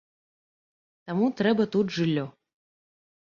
Таму трэба тут жыллё.